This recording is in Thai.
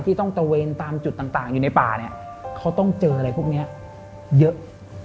ต่างอยู่ในป่าเนี่ยเขาต้องเจออะไรพวกเนี่ยเยอะ